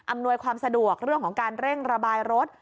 หน่วยความสะดวกเรื่องของการเร่งระบายรถ